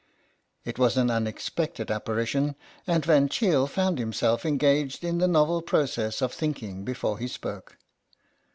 It was an unex pected apparition, and Van Cheele found himself engaged in the novel process of thinking before he spoke.